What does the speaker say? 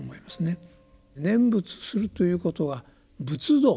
念仏するということは仏道